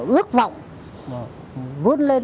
ước vọng vươn lên